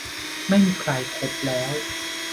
ไม่มีใครคบแล้ว